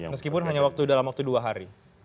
meskipun hanya dalam waktu dua hari